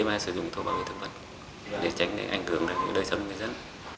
chúng ta sử dụng thuốc bảo vệ thực vật để tránh ảnh hưởng đến đời sống người dân